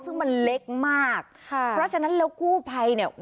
ซึ่งมันเล็กมากค่ะเพราะฉะนั้นแล้วกู้ภัยเนี่ย